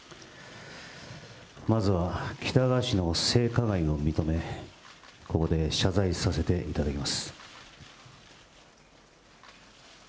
まずは喜多川氏の性加害を認め、ここで謝罪させていただきます。